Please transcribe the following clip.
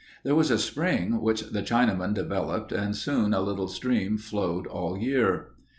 There was a spring which the Chinaman developed and soon a little stream flowed all year.